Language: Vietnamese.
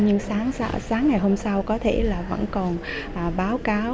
nhưng sáng ngày hôm sau có thể là vẫn còn báo cáo